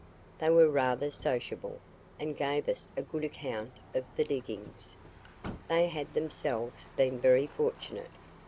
They were rather sociable, and gave us a good account of the diggings. They had themselves been very fortunate.